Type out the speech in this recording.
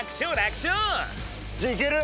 じゃあいける？